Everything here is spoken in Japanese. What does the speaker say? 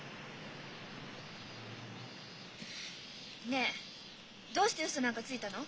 ねえどうしてウソなんかついたの？